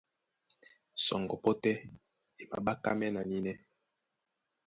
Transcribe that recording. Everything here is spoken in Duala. Sɔŋgɔ pɔ́ tɛ́ e maɓákámɛ́ na nínɛ́.